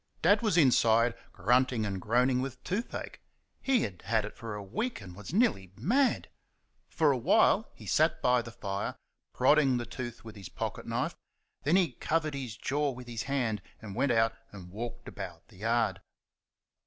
Dad was inside grunting and groaning with toothache. He had had it a week, and was nearly mad. For a while he sat by the fire, prodding the tooth with his pocket knife; then he covered his jaw with his hand and went out and walked about the yard.